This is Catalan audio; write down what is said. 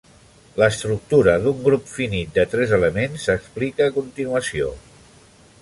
L'estructura d'un grup finit de tres elements s'explica a continuació.